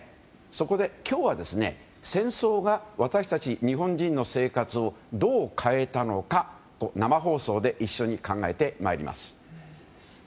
そこで今日は戦争が私たち日本人の生活をどう変えたのかを生放送で一緒に考えてまいります。